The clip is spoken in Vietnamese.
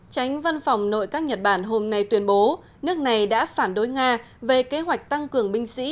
tránh văn phòng nội các nhật bản hôm nay tuyên bố nước này đã phản đối nga về kế hoạch tăng cường binh sĩ